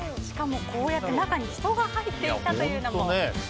しかもこうやって中に人が入っていたというのも。